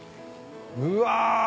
うわ。